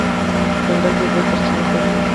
ځنګل د اوبو سرچینې ساتي.